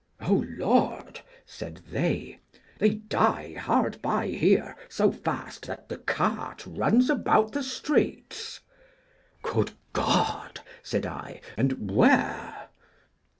O Lord! said they, they die hard by here so fast that the cart runs about the streets. Good God! said I, and where?